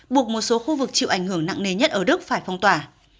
buộc một số khu vực chịu ảnh hưởng nặng nề nhất ở đức phải phong tỏa